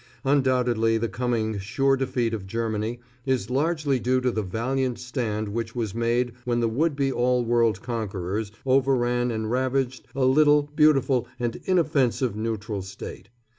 Undoubtedly the coming sure defeat of Germany is largely due to the valiant stand which was made when the would be all world conquerors overran and ravaged a little, beautiful and inoffensive neutral state.